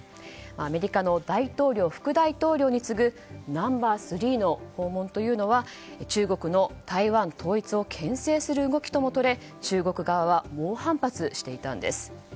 アメリカの大統領、副大統領に次ぐナンバー３の訪問というのは中国の台湾統一を牽制する動きともとられ中国側は猛反発していたんです。